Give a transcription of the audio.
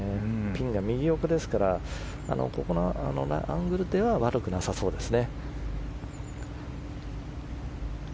ピンが右奥ですからアングルでは悪くなさそうです。